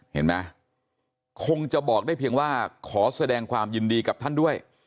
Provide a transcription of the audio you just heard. เห็นไหมคงจะบอกได้เพียงว่าขอแสดงความยินดีกับท่านด้วย